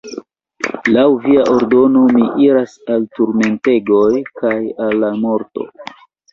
Laŭ via ordono mi iras al turmentegoj kaj al la morto!